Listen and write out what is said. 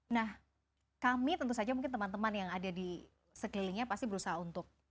nah kami tentu saja mungkin teman teman yang ada di sekelilingnya pasti berusaha untuk